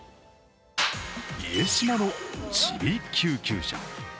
家島のちび救急車。